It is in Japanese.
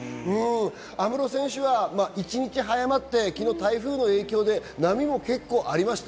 有夢路選手は一日早まって、昨日、台風の影響で波も結構ありました。